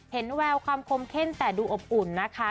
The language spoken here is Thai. แววความคมเข้มแต่ดูอบอุ่นนะคะ